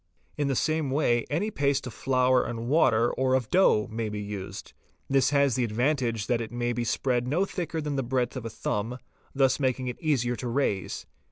In the same way any paste of flour and water or of dough may be used. This has the advantage that it may be spread no thicker than the breadth of the thumb, thus making it easier to raise.